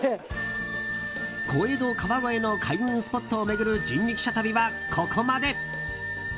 小江戸・川越の開運スポットを巡る人力車旅はここまで。